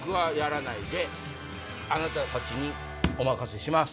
あなたたちにお任せします。